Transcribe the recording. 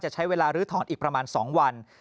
ใช้เวลาลื้อถอนอีกประมาณ๒วัน